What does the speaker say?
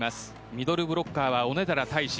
ミドルブロッカーは小野寺太志